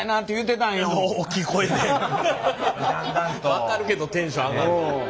分かるけどテンション上がんの。